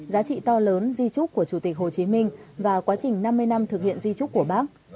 giá trị to lớn di trúc của chủ tịch hồ chí minh và quá trình năm mươi năm thực hiện di trúc của bác